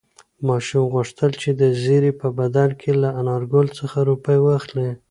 ماشوم غوښتل چې د زېري په بدل کې له انارګل څخه روپۍ واخلي.